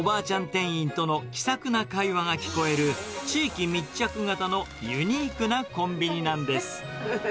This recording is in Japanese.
店員との気さくな会話が聞こえる地域密着型のユニークなコンビニなんです。